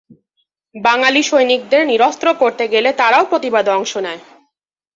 বাঙালি সৈনিকদের নিরস্ত্র করতে গেলে তারাও প্রতিবাদে অংশ নেয়।